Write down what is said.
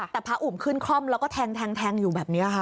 แต่พระอุ่มขึ้นคล่อมแล้วก็แทงอยู่แบบนี้ค่ะ